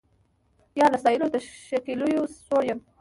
یا له ستایلو د ښکلیو سوړ یم